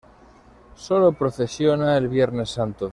Solo Procesiona el Viernes Santo.